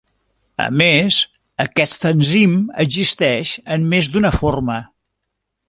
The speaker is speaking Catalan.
A més, aquest enzim existeix en més d’una forma.